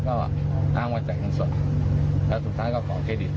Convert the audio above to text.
ก็อ้างว่าจ่ายเงินสดแล้วสุดท้ายก็ของเครดิต